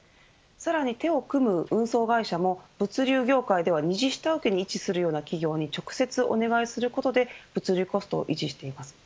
さらに手を組む運送会社も物流業界で２次下請けに位置する企業に直接お願いすることで物流コストを維持しています。